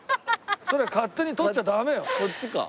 それ勝手に取っちゃダメよ！